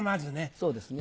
そうですね。